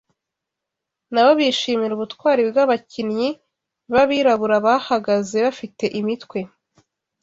nabo bishimira ubutwari bw'abakinnyi b'Abirabura bahagaze bafite imitwe